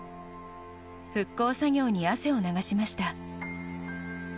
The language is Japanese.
復興作業に汗を流しました。